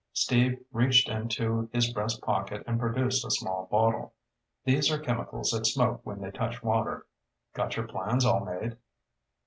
Steve reached into his breast pocket and produced a small bottle. "These are chemicals that smoke when they touch water. Got your plans all made?"